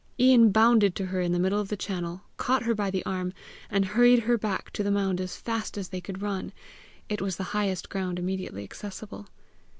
Ian bounded to her in the middle of the channel, caught her by the arm, and hurried her back to the mound as fast as they could run: it was the highest ground immediately accessible.